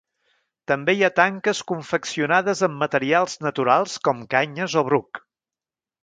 També hi ha tanques confeccionades amb materials naturals com canyes o bruc.